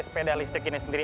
sepeda listrik ini sendiri